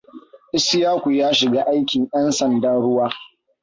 Ishaku ya shiga aikin ƴan sandan ruwa.